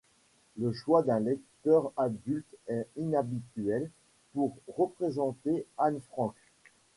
Le choix d'un lecteur adulte est inhabituel pour représenter Anne Frank.